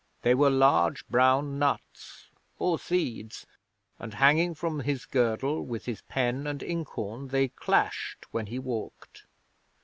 They were large brown nuts or seeds, and hanging from his girdle with his pen and inkhorn they clashed when he walked.